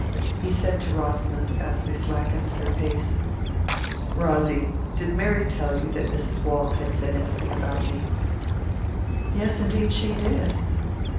He said to Rosamond, as they slackened their pace— "Rosy, did Mary tell you that Mrs. Waule had said anything about me?" "Yes, indeed, she did."